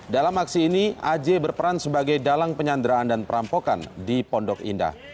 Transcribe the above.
dalam aksi ini aj berperan sebagai dalang penyanderaan dan perampokan di pondok indah